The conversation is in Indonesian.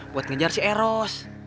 buat ngejar si eros